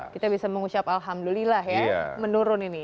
kita bisa mengucap alhamdulillah ya menurun ini